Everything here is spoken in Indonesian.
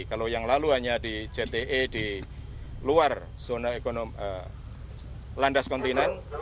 kalau yang lalu hanya di jte di luar zona landas kontinen